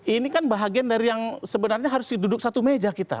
ini kan bahagian dari yang sebenarnya harus diduduk satu meja kita